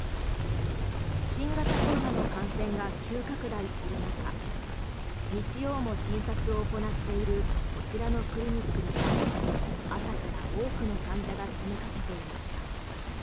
新型コロナの感染が急拡大する中日曜も診察を行っているこちらのクリニックには朝から多くの患者が詰めかけていました。